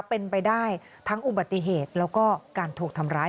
เป็นไปได้ทั้งอุบัติเหตุแล้วก็การถูกทำร้าย